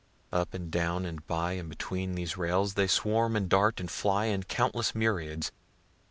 Up and down and by and between these rails, they swarm and dart and fly in countless myriads.